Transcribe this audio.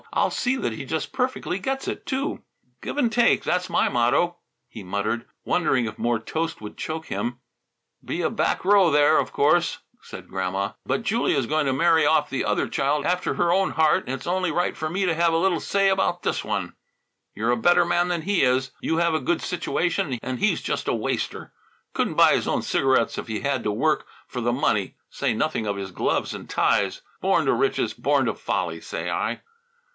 "I'll see that he just perfectly gets it, too!" "Give and take, that's my motto," he muttered, wondering if more toast would choke him. "Be a row back there, of course," said Grandma, "but Julia's going to marry off the other child after her own heart, and it's only right for me to have a little say about this one. You're a better man than he is. You have a good situation and he's just a waster; couldn't buy his own cigarettes if he had to work for the money, say nothing of his gloves and ties. Born to riches, born to folly, say I.